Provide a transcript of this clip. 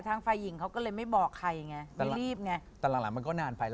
ฝ่ายหญิงเขาก็เลยไม่บอกใครไงไม่รีบไงแต่หลังหลังมันก็นานไปแล้ว